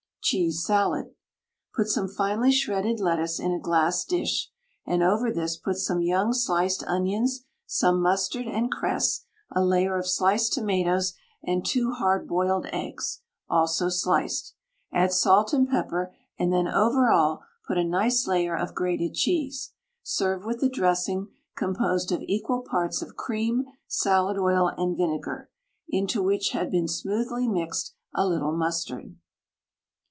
CHEESE SALAD. Put some finely shredded lettuce in a glass dish, and over this put some young sliced onions, some mustard and cress, a layer of sliced tomatoes, and two hard boiled eggs, also sliced. Add salt and pepper, and then over all put a nice layer of grated cheese. Serve with a dressing composed of equal parts of cream, salad oil, and vinegar, into which had been smoothly mixed a little mustard.